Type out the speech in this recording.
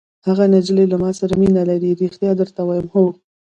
هغه نجلۍ له ما سره مینه لري! ریښتیا درته وایم. هو.